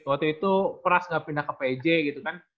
waktu itu pras nggak pindah ke pj gitu kan